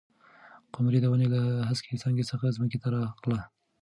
قمري د ونې له هسکې څانګې څخه ځمکې ته راغله.